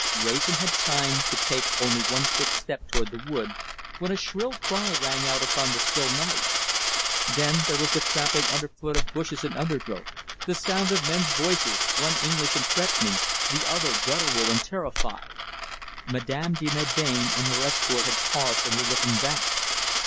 Wrayson had time to take only one quick step towards the wood, when a shrill cry rang out upon the still night. Then there was the trampling under foot of bushes and undergrowth, the sound of men's voices, one English and threatening, the other guttural and terrified. Madame de Melbain and her escort had paused and were looking back.